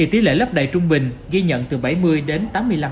tỷ lệ lớp đầy trung bình ghi nhận từ bảy mươi đến tám mươi năm